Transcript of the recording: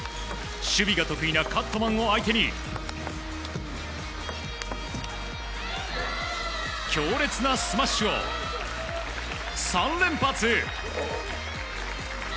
守備が得意なカットマンを相手に強烈なスマッシュを３連発！